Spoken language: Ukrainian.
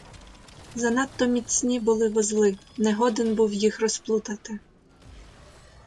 Занадто міцні були вузли, не годен був їх розплутати.